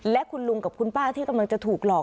และคุณลุงกับคุณป้าที่กำลังจะถูกหลอก